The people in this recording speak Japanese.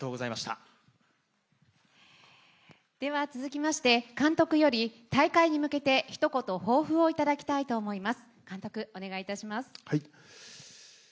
続きまして、監督より大会に向けて一言抱負をいただきたいと思います。